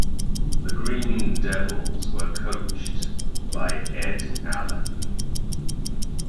The Green Devils were coached by Ed Allen.